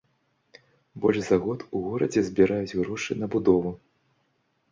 Больш за год у горадзе збіраюць грошы на будову.